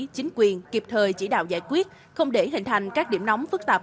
chính quyền kịp thời chỉ đạo giải quyết không để hình thành các điểm nóng phức tạp